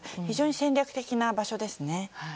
非常に戦略的な場所ですね。